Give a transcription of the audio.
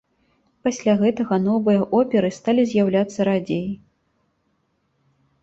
Пасля гэтага новыя оперы сталі з'яўляцца радзей.